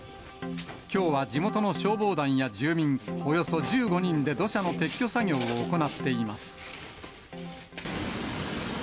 きょうは地元の消防団や住民およそ１５人で土砂の撤去作業を行っています。